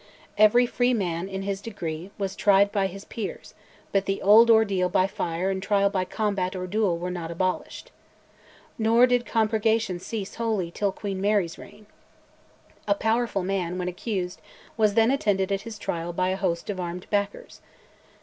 Every free man, in his degree, was "tried by his peers," but the old ordeal by fire and Trial by Combat or duel were not abolished. Nor did "compurgation" cease wholly till Queen Mary's reign. A powerful man, when accused, was then attended at his trial by hosts of armed backers.